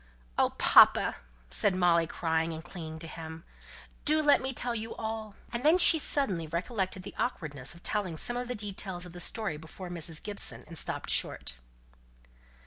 "Oh, papa!" said Molly, crying, and clinging to him, "do let me tell you all." And then she suddenly recollected the awkwardness of telling some of the details of the story before Mrs. Gibson, and stopped short.